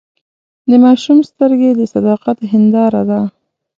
د ماشوم سترګې د صداقت هنداره ده.